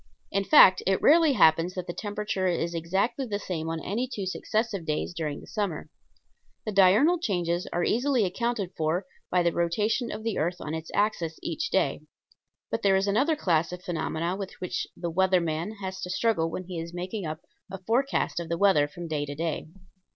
In fact, it rarely happens that the temperature is exactly the same on any two successive days during the year. The diurnal changes are easily accounted for by the rotation of the earth on its axis each day. But there is another class of phenomena with which the "weather man" has to struggle when he is making up a forecast of the weather from day to day.